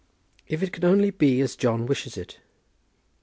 "If it can only be as John wishes it!"